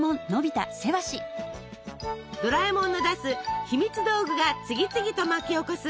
ドラえもんの出す「ひみつ道具」が次々と巻き起こす